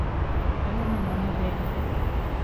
އަހަރެންނަށް މަންމަ ބޭނުންވެ